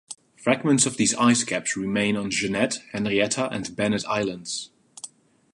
Fragments of these ice caps remain on Jeannette, Henrietta, and Bennett Islands.